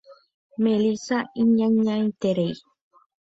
Melissa iñañaiterei.